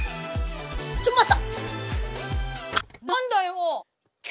ちょ待った！